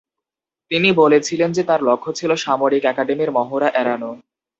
তিনি বলেছিলেন যে তার লক্ষ্য ছিল সামরিক একাডেমির মহড়া এড়ানো।